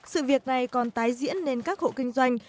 sự việc này còn tái diễn lên các hộ kinh doanh